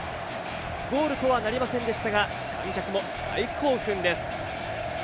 ゴールとはなりませんでしたが、観客も大興奮です。